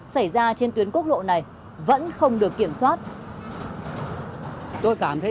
xảy ra trên tuyến quốc lộ này vẫn không được kiểm soát